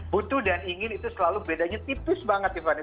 butuh dan ingin itu selalu bedanya tipis banget tiffany